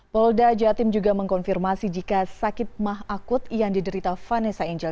polda jatim juga mengkonfirmasi jika sakit mah akut yang diderita vanessa angel